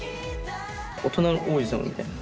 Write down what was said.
大人な王子様みたいな。